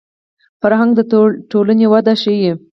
فرهنګ د ټولنې وده ښيي